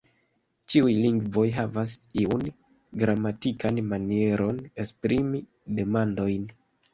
Ĉiuj lingvoj havas iun gramatikan manieron esprimi demandojn.